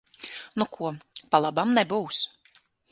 Nu ko, pa labam nebūs.